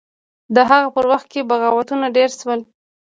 د هغه په وخت کې بغاوتونه ډیر شول.